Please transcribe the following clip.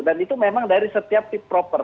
dan itu memang dari setiap fit proper